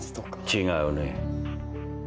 違うね。